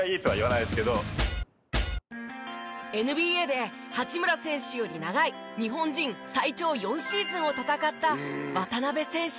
ＮＢＡで八村選手より長い日本人最長４シーズンを戦った渡邊選手。